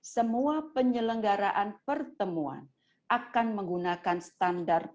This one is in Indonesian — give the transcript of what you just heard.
semua penyelenggaraan pertemuan akan menggunakan standar